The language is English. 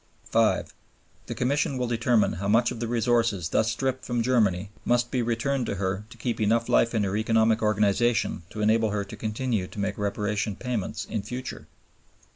5 The Commission will determine how much of the resources thus stripped from Germany must be returned to her to keep enough life in her economic organization to enable her to continue to make Reparation payments in future.